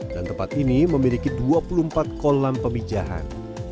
dan tempat ini memiliki dua puluh empat kolam pemijahan